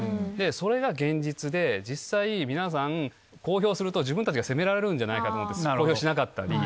それが現実で、実際、皆さん、公表すると、自分たちが責められるんじゃないかと思って公表しなかったり。